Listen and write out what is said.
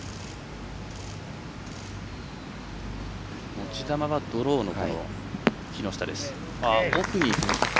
持ち球はドローの木下。